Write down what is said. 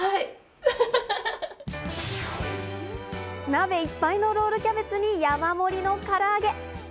鍋いっぱいのロールキャベツに山盛りのから揚げ！